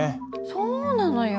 そうなのよ。